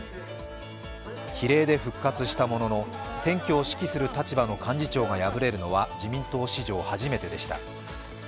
比例で復活したものの、選挙を指揮する立場の幹事長が敗れるのは自民党史上、初めてでした。